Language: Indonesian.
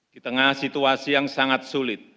di tengah situasi yang sangat sulit